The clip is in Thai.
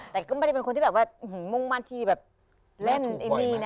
แต่ก็ไม่ได้เป็นคนที่แบบว่ามุ่งมั่นที่แบบเล่นอินดีนะ